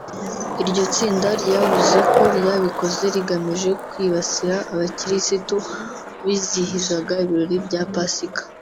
Iryo tsinda ryavuze ko ryabikoze rigamije kwibasira abakirisitu bizihizaga ibirori bya Pasika